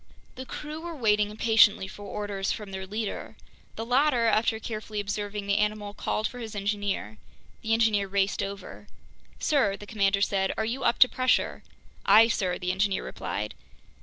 The crew were waiting impatiently for orders from their leader. The latter, after carefully observing the animal, called for his engineer. The engineer raced over. "Sir," the commander said, "are you up to pressure?" "Aye, sir," the engineer replied.